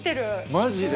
マジで？